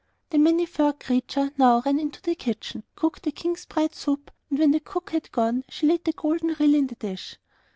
The Many furred Creature now ran into the kitchen, cooked the King's bread soup, and when the cook had gone, she laid the gold reel in the dish.